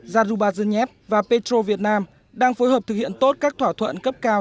zarubazhnev và petro việt nam đang phối hợp thực hiện tốt các thỏa thuận cấp cao